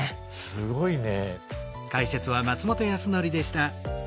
すごいね。